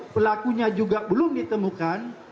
pelakunya juga belum ditemukan